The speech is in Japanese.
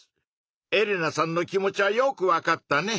エレナさんの気持ちはよくわかったね。